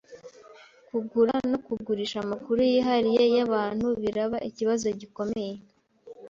Kugura no kugurisha amakuru yihariye yabantu biraba ikibazo gikomeye.